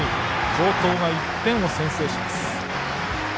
城東が１点を先制します。